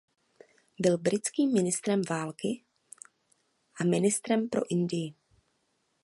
Byl britským ministrem války a ministrem pro Indii.